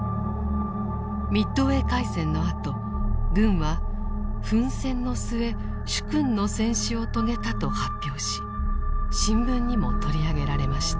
ミッドウェー海戦のあと軍は奮戦の末殊勲の戦死を遂げたと発表し新聞にも取り上げられました。